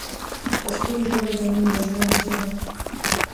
پښتو ژبه زموږ د ژوند ژبه ده.